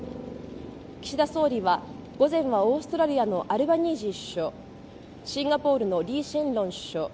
岸田総理は午前はオーストラリアのアルバニージ首相シンガポールのリー・シェンロン首相